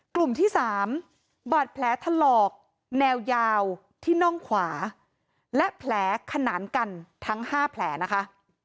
กลุ่มที่๓บาดแผลถลอกแนวยาวที่น่องขวาและแผลขนานกันทั้ง๕แผลนะคะ